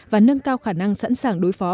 và nâng cao khả năng sẵn sàng đối phó